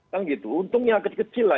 kan gitu untungnya sakit kecil lah